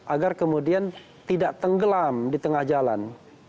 agar kemudian tidak tenggelam di tengah jalan